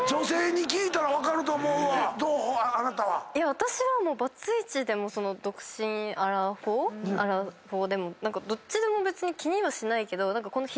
私はバツイチでも独身アラフォーでもどっちでも別に気にはしないけど。